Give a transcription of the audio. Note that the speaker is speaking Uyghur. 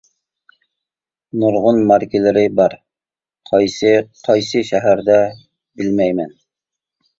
نۇرغۇن ماركىلىرى بار قايسى قايسى شەھەردە بىلمەيمەن.